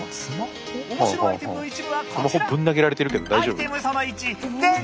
面白アイテムの一部はこちら！